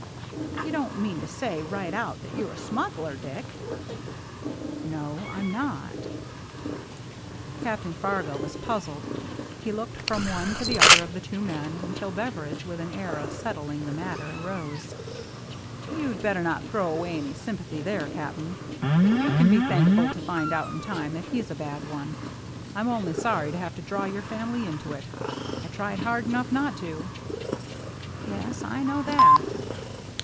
"You don't mean to say right out that you're a smuggler, Dick?" " No, I'm not." 2i6 THE MERRT ANNE Captain Fargo was puzzled. He looked from one to the other of the two men, until Beveridge, with an air of settling the matter, rose. "You'd better not throw away any sympathy there, Cap'n. You can be thankful to find out in time that he's a bad one. Vm only sorry to have to draw your family into it. I tried hard enough not to." "Yes, I know that."